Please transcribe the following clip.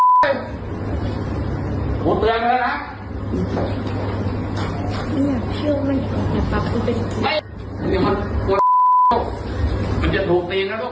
มันจะถูกจริงนะลูก